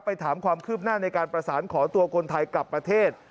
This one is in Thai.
ถามความคืบหน้าในการประสานขอตัวคนไทยกลับประเทศ